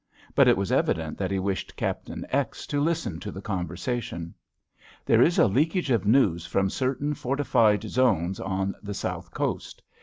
But it was evident that he wished Captain X. to listen to the conversation. "There is a leakage of news from certain fortified zones on the South Coast.